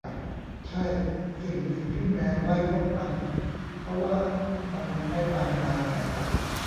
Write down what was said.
ใช่ สิ่งหนึ่งที่แมวไล่พวกมันเพราะว่ามันไม่ตามนายไง